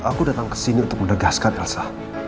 aku datang kesini untuk menegaskan elsa